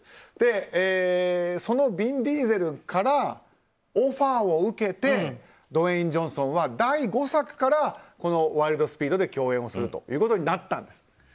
そのヴィン・ディーゼルからオファーを受けてドウェイン・ジョンソンは第５作からこの「ワイルド・スピード」で共演することになったんです。